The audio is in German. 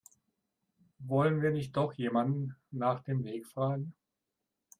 Wollen wir nicht doch jemanden nach dem Weg fragen?